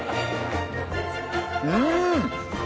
うん！